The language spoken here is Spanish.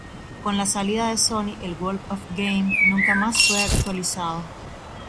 Con la salida de Sony, el "Walk of Game" nunca más fue actualizado.